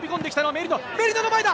メリノの前だ。